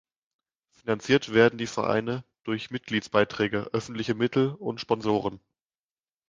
Finanziert werden die Vereine durch Mitgliedsbeiträge, öffentliche Mittel und Sponsoren.